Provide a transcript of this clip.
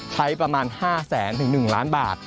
ใช้ประมาณ๕๐๐๐๐๐๑ล้านบาท